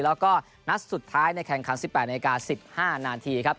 แล้วก็นัดสุดท้ายในแข่งขัน๑๘นาที๑๕นาทีครับ